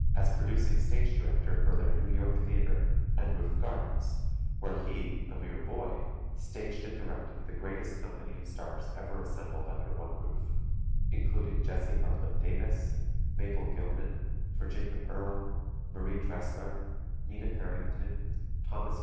as producing stage director for their New York Theatre and Roof Gardens where he, a mere boy, staged and directed the greatest company of stars ever assembled under one roof, including Jessie Bartlett Davis, Mabelle Gilman, Virginia Earle, Marie Dressler, Nina Farrington, Thomas Q.